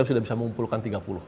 sudah bisa mengumpulkan tiga puluh